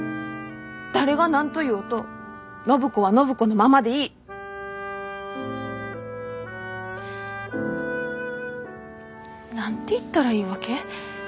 誰が何と言おうと暢子は暢子のままでいい。何て言ったらいいわけ？